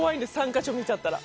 か所見ちゃったら。